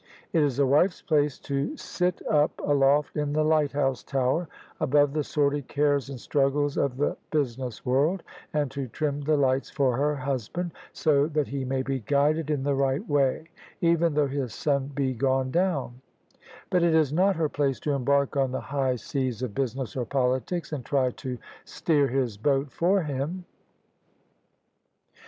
It is a wife's place to sit up aloft in the lighthouse tower, above the sordid cares and struggles of the business world, and to trim the lights for her husband so that he may be guided in the right way, even though his sun be gone down: but it is not her place to embark on the high seas of business or politics, and try to steer his boat for him."